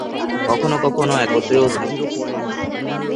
কখনও কখনও একত্রেও থাকে।